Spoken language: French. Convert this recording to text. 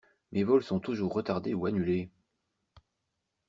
Mes vols sont toujours retardés ou annulés.